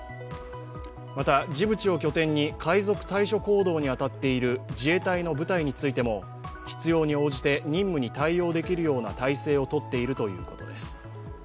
またジブチを拠点に海賊対処行動に当たっている自衛隊の部隊についても必要に応じて任務に対応できるような態勢をとっているということです。